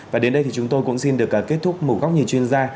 và đến đây thì chúng tôi cũng xin được kết thúc một góc nhìn chuyên gia